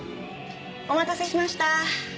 お待たせしました。